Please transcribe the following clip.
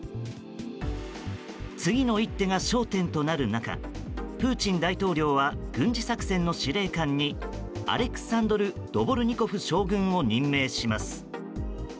次の一手が焦点となる中プーチン大統領は軍事作戦の司令官にアレクサンドル・ドボルニコフ将軍を任命します。